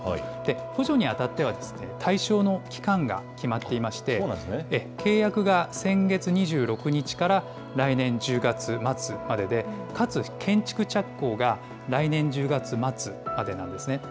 補助にあたっては、対象の期間が決まっていまして、契約が先月２６日から来年１０月末までで、かつ建築着工が来年１０月末までなんですね。